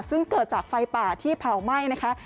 ซึ่งเกิดจากไฟป่าที่เผาไหม้นะคะ